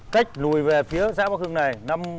cách lùi về phía xã bắc hưng này